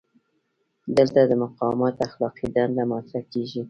دلته د مقاومت اخلاقي دنده مطرح کیږي.